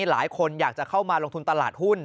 หลายคนอยากจะเข้ามาลงทุนตลาดหุ้น